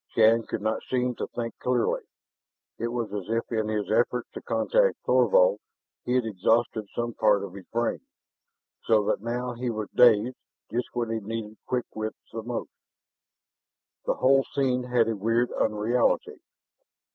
Shann could not seem to think clearly. It was as if in his efforts to contact Thorvald, he had exhausted some part of his brain, so that now he was dazed just when he needed quick wits the most! This whole scene had a weird unreality.